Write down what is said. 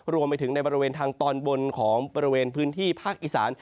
รวมไปถึงในบริเวณทางตอนบนของบริเวณพื้นที่ภาคอีสาน